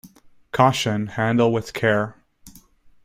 Caution, Handle with care.